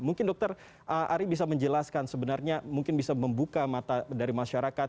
mungkin dokter ari bisa menjelaskan sebenarnya mungkin bisa membuka mata dari masyarakat